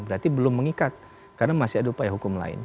berarti belum mengikat karena masih ada upaya hukum lain